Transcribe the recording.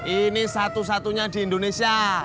ini satu satunya di indonesia